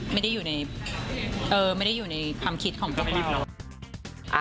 ไม่ได้อยู่ในความคิดของพวกเรา